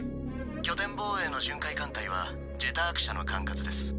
拠点防衛の巡回艦隊は「ジェターク社」の管轄です。